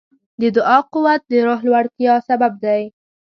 د دعا قوت د روح لوړتیا سبب دی.